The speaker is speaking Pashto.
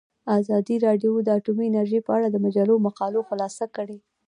ازادي راډیو د اټومي انرژي په اړه د مجلو مقالو خلاصه کړې.